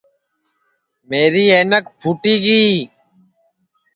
میری اینک پھُوٹی گی